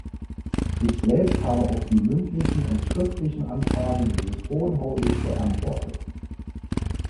Ich selbst habe auf die mündlichen und schriftlichen Anfragen dieses Hohen Hauses geantwortet.